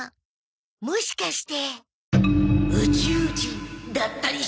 もしかして宇宙人だったりして。